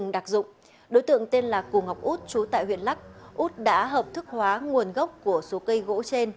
đối tượng tên là cù ngọc út chú tại huyện lắc út đã hợp thức hóa nguồn gốc của số cây gỗ trên